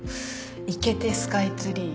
いけてスカイツリー。